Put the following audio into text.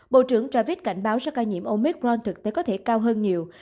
bộ trưởng ravid cảnh báo số ca nhiễm omicron thực tế có thể cao hơn nhiều